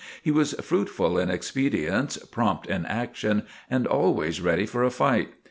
He was fruitful in expedients, prompt in action and always ready for a fight.